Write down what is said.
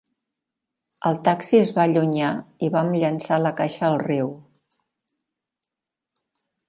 El taxi es va allunyar i vam llençar la caixa al riu.